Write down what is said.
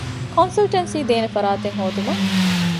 ކޮންސަލްޓެންސީދޭނެ ފަރާތެއް ހޯދުމަށް